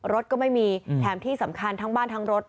รถก็ไม่มีแถมที่สำคัญทั้งบ้านทั้งรถ